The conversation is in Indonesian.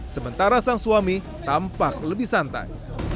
sementara sang suami tampak lebih santai